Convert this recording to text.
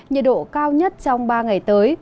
nhiệt độ cao nhất trong ba ngày tới